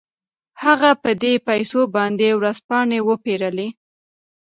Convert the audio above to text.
هغه په دې پيسو باندې ورځپاڼې وپېرلې.